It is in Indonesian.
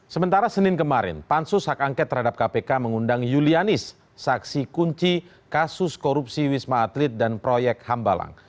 sementara senin kemarin pansus hak angket terhadap kpk mengundang yulianis saksi kunci kasus korupsi wisma atlet dan proyek hambalang